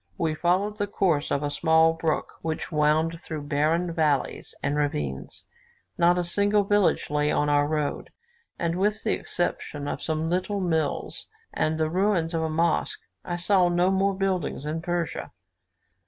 We followed the course of a small brook, which wound through barren valleys and ravines; not a single village lay on our road; and with the exception of some little mills and the ruins of a mosque, I saw no more buildings in Persia.